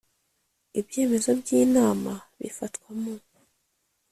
ibyemezo by inama bifatwa mu